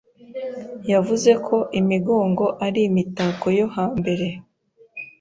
Yavuze ko imigongo ari imitako yo hambere